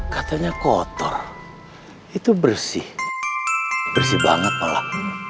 katanya kotor itu bersih bersih banget malam